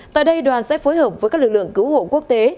tại đây đoàn sẽ phối hợp với các lực lượng cứu hộ quốc tế